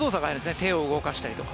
手を動かしたりとか。